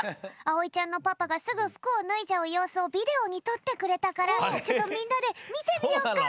あおいちゃんのパパがすぐふくを脱いじゃうようすをビデオにとってくれたからちょっとみんなでみてみよっか！